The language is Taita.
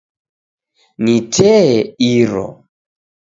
Ni tee iro.